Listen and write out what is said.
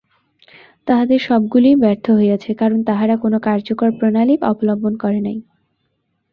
তাহাদের সবগুলিই ব্যর্থ হইয়াছে, কারণ তাহারা কোন কার্যকর প্রণালী অবলম্বন করে নাই।